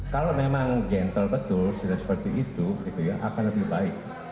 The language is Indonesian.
kalau memang gentle betul sudah seperti itu akan lebih baik